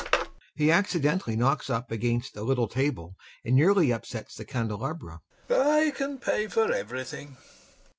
[He accidentally knocks up against a little table and nearly upsets the candelabra] I can pay for everything!